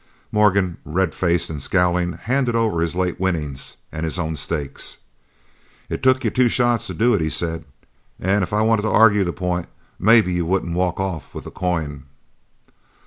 Morgan, red of face and scowling, handed over his late winnings and his own stakes. "It took you two shots to do it," he said, "an' if I wanted to argue the pint maybe you wouldn't walk off with the coin."